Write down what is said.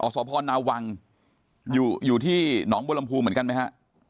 อ๋อสพนวังอยู่ที่หนองบลำพูเหมือนกันไหมครับ